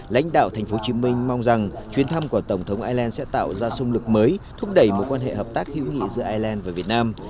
lãnh đạo thành phố hồ chí minh mong rằng chuyến thăm của tổng thống ireland sẽ tạo ra sung lực mới thúc đẩy mối quan hệ hợp tác hữu nghị giữa ireland và việt nam